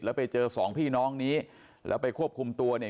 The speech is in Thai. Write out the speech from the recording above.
แล้วไปเจอสองพี่น้องนี้แล้วไปควบคุมตัวเนี่ย